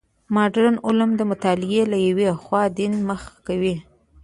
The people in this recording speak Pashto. مډرن علوم او مطالعې له یوې خوا دین مخ کوي.